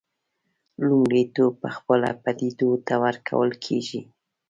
لومړیتوب پخپله پدیدو ته ورکول کېږي.